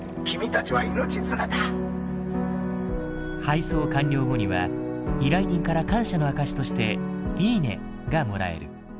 配送完了後には依頼人から感謝の証しとして「いいね」がもらえる。